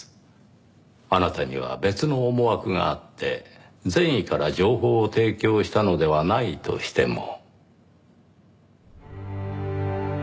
あなたには別の思惑があって善意から情報を提供したのではないとしても。